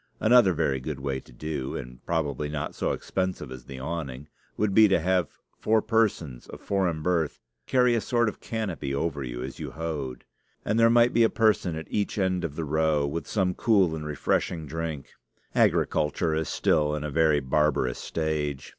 Another very good way to do, and probably not so expensive as the awning, would be to have four persons of foreign birth carry a sort of canopy over you as you hoed. And there might be a person at each end of the row with some cool and refreshing drink. Agriculture is still in a very barbarous stage.